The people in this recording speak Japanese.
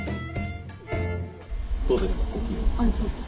どうですか？